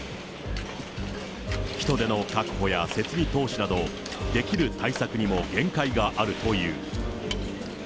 人手の確保や設備投資など、できる対策にも限界があるという。